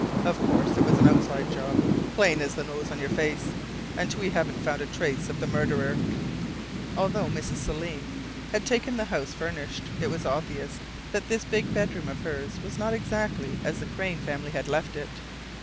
Of course it was an outside job plain as the nose on your face and we haven't found a trace of the murderer." Although Mrs. Selim had taken the house furnished, it was obvious that this big bedroom of hers was not exactly as the Crain family had left it.